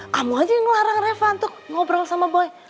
kamu aja yang ngelarang reva untuk ngobrol sama boy